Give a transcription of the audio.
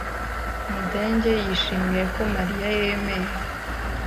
Mudenge yishimiye ko Mariya yemeye.